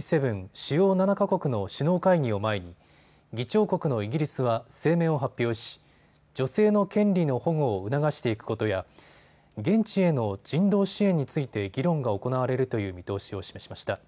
主要７か国の首脳会議を前に議長国のイギリスは声明を発表し女性の権利の保護を促していくことや現地への人道支援について議論が行われるという見通しを示しました。